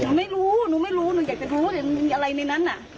หนูไม่รู้หนูไม่รู้หนูอยากจะรู้ว่ามีอะไรในนั้นน่ะ